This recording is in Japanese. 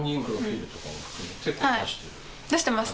はい出してます。